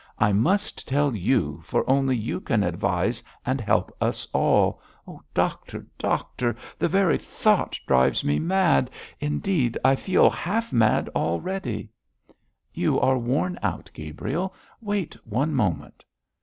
I must tell you, for only you can advise and help us all. Doctor! doctor! the very thought drives me mad indeed, I feel half mad already.' 'You are worn out, Gabriel. Wait one moment.'